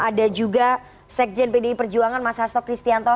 ada juga sekjen pdi perjuangan mas hasto kristianto